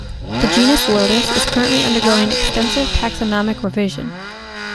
The genus "Lotus" is currently undergoing extensive taxonomic revision.